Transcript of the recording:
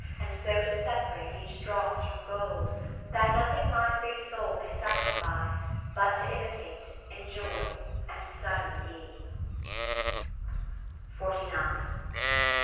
And so to separate each dross from gold. That nothing my free Soul may satisfy, 59 But t' imitate, enjoy, and study thee.